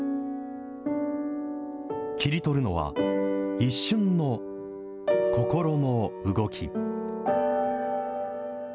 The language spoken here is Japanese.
切り取るのは、一瞬の心の動き。